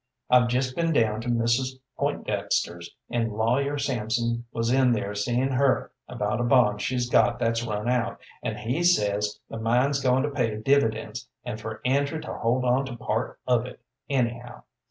I've just been down to Mrs. Pointdexter's, and Lawyer Samson was in there seeing her about a bond she's got that's run out, and he says the mine's going to pay dividends, and for Andrew to hold on to part of it, anyhow.